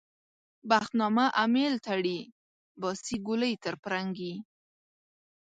بخت نامه امېل تړي - باسي ګولۍ تر پرنګي